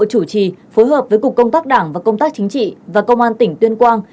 chủ trì phối hợp với cục công tác đảng và công tác chính trị và công an tỉnh tuyên quang